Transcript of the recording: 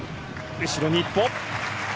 後ろに１歩。